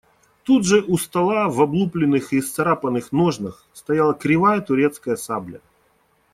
Тут же у стола в облупленных и исцарапанных ножнах стояла кривая турецкая сабля.